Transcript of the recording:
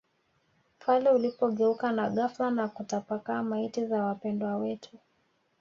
pale ulipogeuka na ghafla na kutapakaa Maiti za wapendwa wetu